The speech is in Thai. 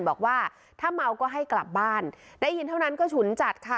บอกว่าถ้าเมาก็ให้กลับบ้านได้ยินเท่านั้นก็ฉุนจัดค่ะ